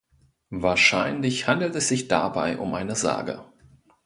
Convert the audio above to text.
Wahrscheinlich handelt es sich dabei um eine Sage.